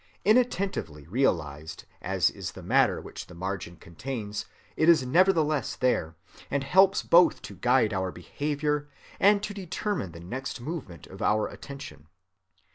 Inattentively realized as is the matter which the margin contains, it is nevertheless there, and helps both to guide our behavior and to determine the next movement of our attention.